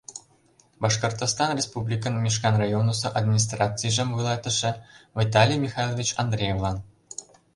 Башкортостан Республикын Мишкан районысо администрацийжым вуйлатыше Виталий Михайлович Андреевлан